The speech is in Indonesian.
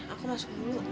aku masuk dulu